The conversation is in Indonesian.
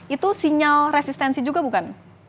itu sinyal resistensi juga bukan